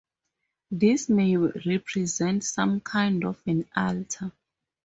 This may represent some kind of an altar.